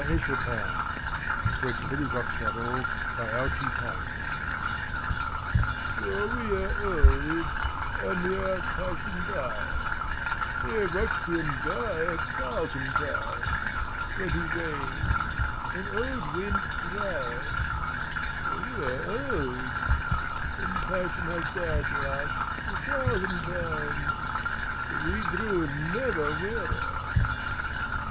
I meet you there myself. In Tempore Senectutis "For we are old And the earth passion dieth; We have watched him die a thousand times, When he wanes an old wind crieth, For we are old And passion hath died for us a thousand times But we grew never weary.